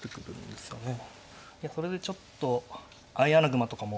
それでちょっと相穴熊とかも。